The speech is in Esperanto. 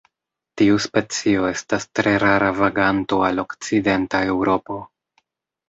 Tiu specio estas tre rara vaganto al okcidenta Eŭropo.